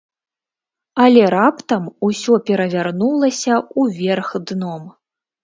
Але раптам усё перавярнулася ўверх дном.